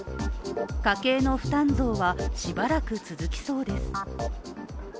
家計の負担増は、しばらく続きそうです。